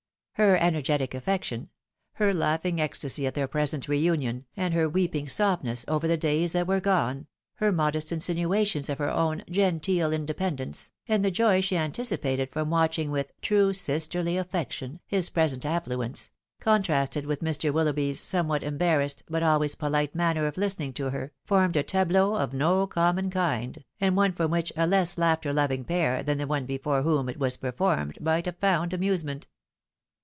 Her energetic affection — her laughing ecstasy at their present reunion, and her weep ing softness over the days that were gone — her modest insinua tions of her own " genteel independence,'''' and the joy she anti cipated from watching with " true sisterly affection,'" his present affluence — contrasted with Mr. WiUoughby's somewhat embar rassed, but always polite manner of listening to her, formed a A NEW PHASE OF CHARACTER. 183 tableau of no common kind, and one from whioh a less laughter loving pair than the one before whom it was performed might have found amusement.